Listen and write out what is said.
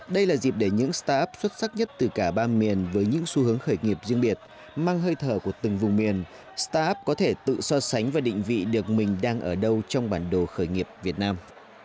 đây là dịp để những start up xuất sắc nhất từ cả ba miền với những xu hướng khởi nghiệp riêng biệt mang hơi thở của từng vùng miền start up có thể tự so sánh và định vị được mình đang ở đâu trong bản đồ khởi nghiệp việt nam